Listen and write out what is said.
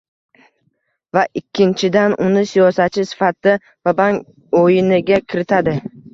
va ikkinchidan, uni siyosatchi sifatida “va-bank o‘yiniga” kiritadi.